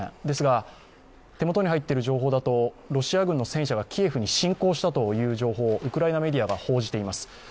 ですが、手元に入っている情報だとロシア軍の戦車がキエフに侵攻したという情報をウクライナメディアが報じています。